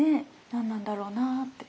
何なんだろうなって。